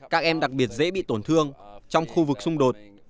các em đặc biệt dễ bị tổn thương trong khu vực xung đột